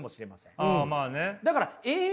あまあね。